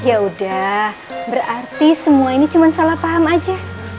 ya udah berarti semua ini cuma salah paham aja